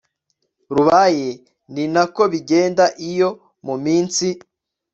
rubaye Ni nako bigenda iyo mu minsi